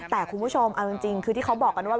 แต่คุณผู้ชมเอาจริงคือที่เขาบอกกันว่า